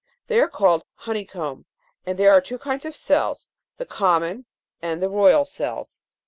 52) : they are called honey comb, and there are two kinds of cells ; the common (a) and the royal cells (b).